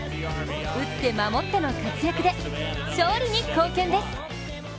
打って守っての活躍で勝利に貢献です。